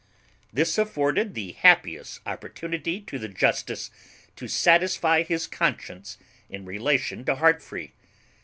This afforded the happiest opportunity to the justice to satisfy his conscience in relation to Heartfree.